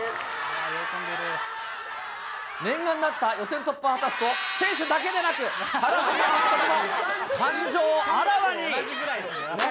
念願だった予選突破を果たすと、選手だけでなく、原監督も感情をあらわに。